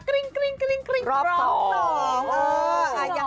รอบสอง